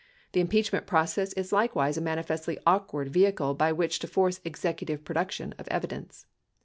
The impeachment process is like wise a manifestly awkward vehicle by which to force executive pro duction of evidence.